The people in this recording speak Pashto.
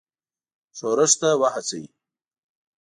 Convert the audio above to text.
ښورښ ته وهڅوي.